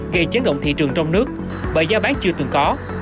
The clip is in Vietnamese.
gây chấn động thị trường trong nước bởi giá bán chưa từng có